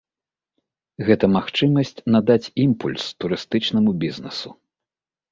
Гэта магчымасць надаць імпульс турыстычнаму бізнэсу.